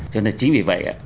cho nên chính vì vậy